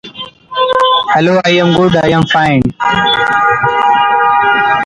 They decided to separate into several sub-committees responsible for various aspects of the Games.